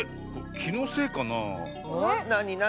きのせいかな？